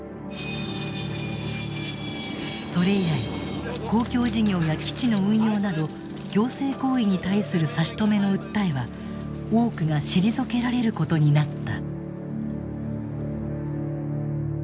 それ以来公共事業や基地の運用など行政行為に対する差し止めの訴えは多くが退けられることになった。